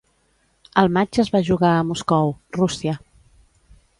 El matx es va jugar a Moscou, Rússia.